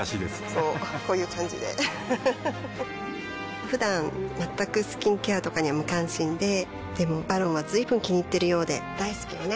こうこういう感じでうふふふだん全くスキンケアとかに無関心ででも「ＶＡＲＯＮ」は随分気にいっているようで大好きよね